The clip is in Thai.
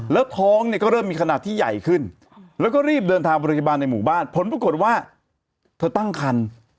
แล้วท้องเนี่ยก็เริ่มมีขนาดที่ใหญ่ขึ้นแล้วก็รีบเดินทางไปโรงพยาบาลในหมู่บ้านผลปรากฏว่าเธอตั้งคัน